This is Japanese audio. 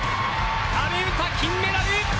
阿部詩、金メダル！